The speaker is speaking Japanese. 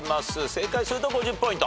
正解すると５０ポイント。